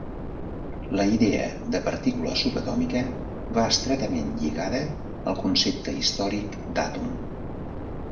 La idea de partícula subatòmica va estretament lligada al concepte històric d'àtom.